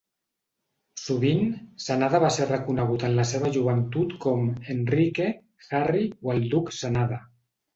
Sovint, Sanada va ser reconegut en la seva joventut com Enrique, Harry o el Duc Sanada.